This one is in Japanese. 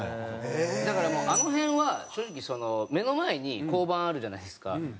だからもうあの辺は正直目の前に交番あるじゃないですか。